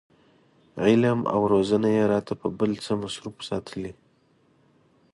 علم او روزنه یې راته په بل څه مصروف ساتلي.